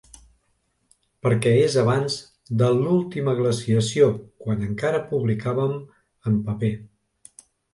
Perquè és d'abans de l'última glaciació, quan encara publicàvem en paper.